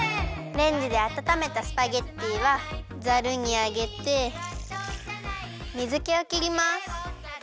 レンジであたためたスパゲッティはザルにあげて水けをきります。